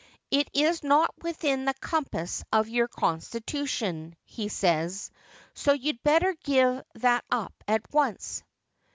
It is not within the compass of your constitution, he says, so you'd better give that up at once.'